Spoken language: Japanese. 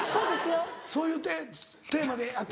そういうテーマでやって。